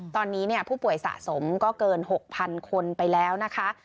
ตอนนี้ผู้ป่วยสะสมก็เกิน๖๐๐๐คนไปแล้วนะคะ